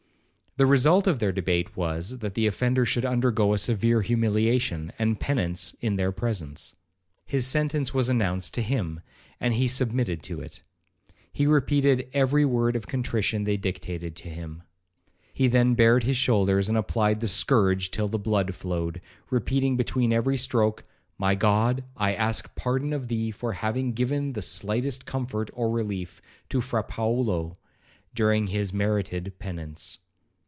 The result of their debate was, that the offender should undergo a severe humiliation and penance in their presence. His sentence was announced to him, and he submitted to it. He repeated every word of contrition they dictated to him. He then bared his shoulders, and applied the scourge till the blood flowed, repeating between every stroke, 'My God, I ask pardon of thee for having given the slightest comfort or relief to Fra Paolo, during his merited penance.'